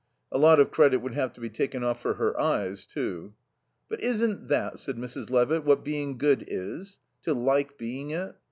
A lot of credit would have to be taken off for her eyes, too. "But isn't that," said Mrs. Levitt, "what being good is? To like being it?